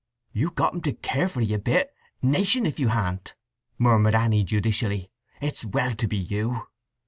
"You've got him to care for 'ee a bit, 'nation if you han't!" murmured Anny judicially. "It's well to be you!"